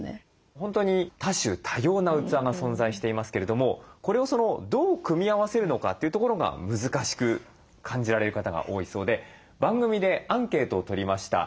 本当に多種多様な器が存在していますけれどもこれをどう組み合わせるのかというところが難しく感じられる方が多いそうで番組でアンケートを取りました。